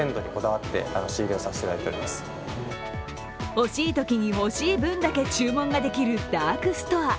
欲しいときに欲しい分だけ注文ができるダークストア。